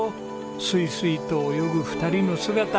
スイスイと泳ぐ２人の姿。